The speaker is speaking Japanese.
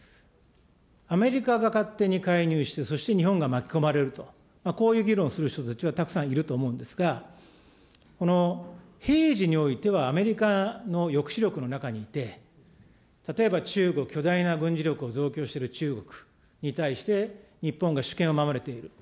アメリカが勝手に介入して、そして日本が巻き込まれると、こういう議論をする人たちはたくさんいると思うんですが、平時においてはアメリカの抑止力の中にいて、例えば中国、巨大な軍事力を増強している中国に対して、日本が主権を守れている。